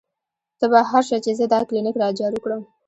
تۀ بهر شه چې زۀ دا کلینک را جارو کړم " ـ